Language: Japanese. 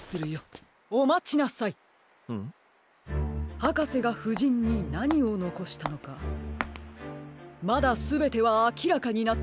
はかせがふじんになにをのこしたのかまだすべてはあきらかになっていません。